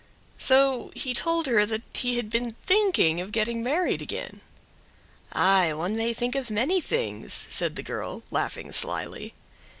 So he told her he had been thinking of getting married again. "Aye! one may think of many things," said the girl, laughing slyly.